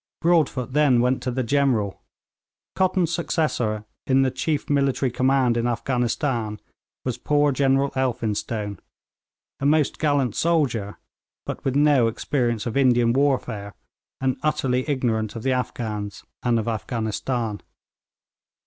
Broadfoot then went to the General. Cotton's successor in the chief military command in Afghanistan was poor General Elphinstone, a most gallant soldier, but with no experience of Indian warfare, and utterly ignorant of the Afghans and of Afghanistan.